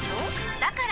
だから！